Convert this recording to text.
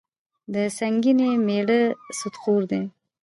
د سنګینې میړه سودخور دي.